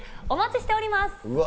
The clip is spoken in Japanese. お待ちしております。